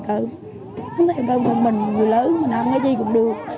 không thèm cơm một mình một người lớn mình ăn cái gì cũng được